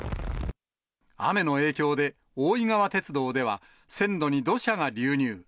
雨の影響で、大井川鉄道では、線路に土砂が流入。